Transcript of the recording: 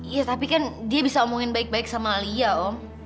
iya tapi kan dia bisa omongin baik baik sama alia om